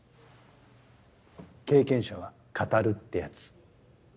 経験者は語るってやつ。